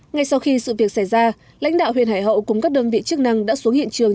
ngay sau khi sự việc xảy ra lãnh đạo huyện hải hậu cùng các đơn vị chức năng đã xuống hiện trường